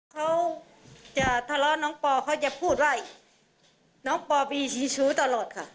เขาจะทะเลาะน้องปอเขาจะพูดว่าน้องปอบีชี้ชู้ตลอดค่ะ